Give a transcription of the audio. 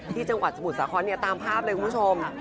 ที่จังหวัดสมุทรสาขอร์เนี่ยตามภาพเลยคุณผู้ชม